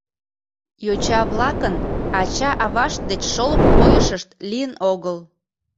Йоча-влакын ача-авашт деч шолып койышышт лийын огыл.